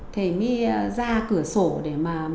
thì mới ra cửa sổ để mà